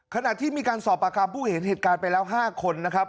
ขณะที่มีการสอบประคัมผู้เห็นเหตุการณ์ไปแล้ว๕คนนะครับ